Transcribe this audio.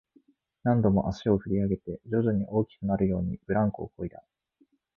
何度も足を振り上げて、徐々に大きくなるように、ブランコをこいだ